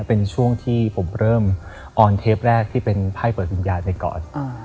เป็นช่วงที่ผมเริ่มออนเทปแรกที่เป็นไพ่เปิดวิญญาณไปก่อน